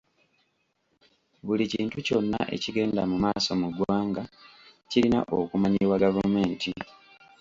Buli kintu kyonna ekigenda mu maaso mu ggwanga kirina okumanyibwa gavumenti.